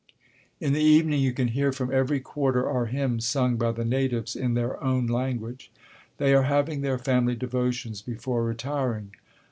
In the evening you can hear from every quarter our hymns sung by the natives in their own language. They are having their family devotions before retiring.